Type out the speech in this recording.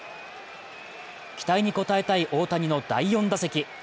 期待に応えたい大谷の第４打席。